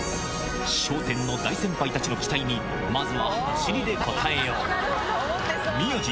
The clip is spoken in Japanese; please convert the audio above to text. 笑点の大先輩たちの期待に、まずは走りで応えよう。